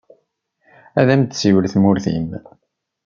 Ad am-d-tessiwel tmurt-im.